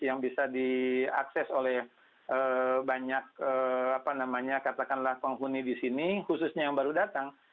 yang bisa diakses oleh banyak katakanlah penghuni di sini khususnya yang baru datang